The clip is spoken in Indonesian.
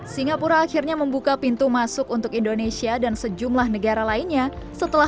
singapura akhirnya membuka pintu masuk untuk indonesia dan sejumlah negara lainnya setelah